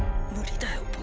無理だよ